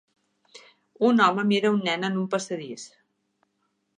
Un home mira un nen en un passadís.